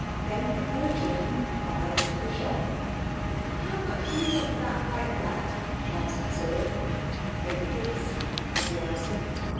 Then the four children filed into the shop. "How much do you want for that white rat?" asked Cyril. "Eightpence," was the answer.